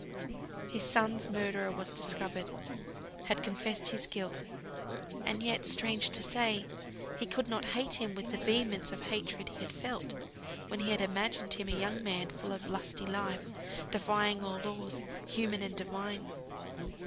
His son's murderer was discovered; had confessed his guilt; and yet (strange to say) he could not hate him with the vehemence of hatred he had felt, when he had imagined him a young man, full of lusty life, defying all laws, human and divine.